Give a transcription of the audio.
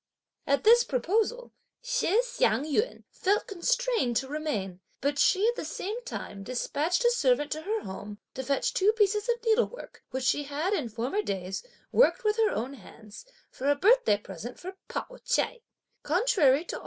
At this proposal, Shih Hsiang yün felt constrained to remain, but she, at the same time, despatched a servant to her home to fetch two pieces of needlework, which she had in former days worked with her own hands, for a birthday present for Pao ch'ai.